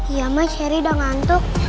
iya ma sherry udah ngantuk